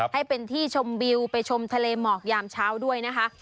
ให้เป็นที่ชมวิวไปชมทะเลหมอกยามเช้าด้วยนะคะ